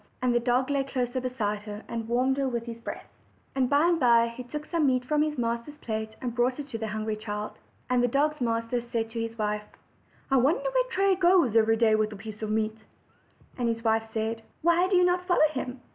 And the dog lay close beside her, and warmed her with his breath. And by and by he took some meat from his master's plate, and brought it to the hungry child. And the dog's master said to his wife: "I wonder where Tray goes every day with a piece of meat?" And his wife said: "Why do you not follow him?"